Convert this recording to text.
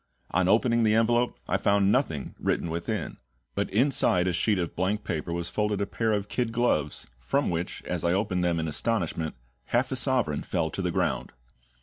On opening the envelope I found nothing written within; but inside a sheet of blank paper was folded a pair of kid gloves, from which, as I opened them in astonishment, half a sovereign fell to the ground.